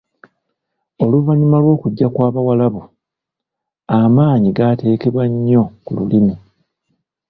Oluvannyuma lw’okujja kw’Abawarabu, amaanyi gaateekebwa nnyo ku Lulimi.